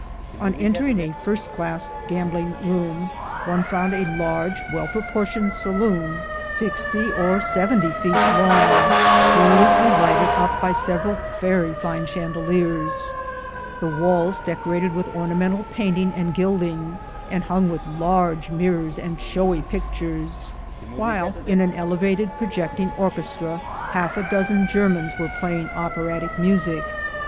On entering a first class gambling room, one found a large well proportioned saloon sixty or seventy feet 66 THE GOLD HUNTERS long, brilliantly lighted up by several very fine chan deliers, the walls decorated w^ith ornamental painting and gilding, and hung with large mirrors and showy pictures, while in an elevated projecting orchestra half a dozen Germans were playing operatic music.